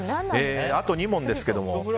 あと２問ですけど。